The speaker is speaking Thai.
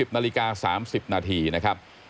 นาฬิกา๓๐นาทีนะครับ